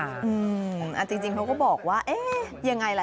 อาจจริงเค้าก็บอกว่ายังไงละ